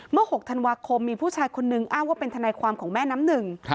๖ธันวาคมมีผู้ชายคนนึงอ้างว่าเป็นทนายความของแม่น้ำหนึ่ง